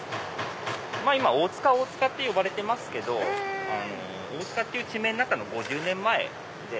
今大塚大塚って呼ばれてますけど大塚っていう地名になったの５０年前で。